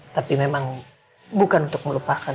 tapi memang bukan untuk melupakan